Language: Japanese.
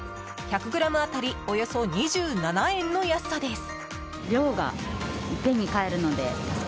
１００ｇ当たりおよそ２７円の安さです。